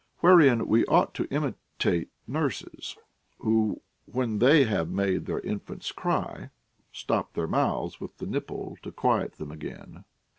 Wherein Ave ought to imitate nurses, who, when they have made their infants cry, stop their mouths with the nipple to quiet them again.